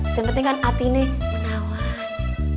sebenarnya kan hatinya menawan